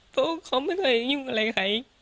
เพราะว่าเขาไม่เคยอยู่กับอะไรใคร